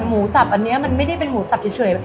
หมูสับอันนี้มันไม่ได้เป็นหมูสับเฉย